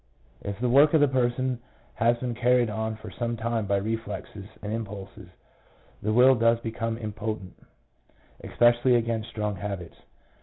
If the work of the person has been carried on for some time by reflexes and impulses, the will does become impotent, especially against strong habits.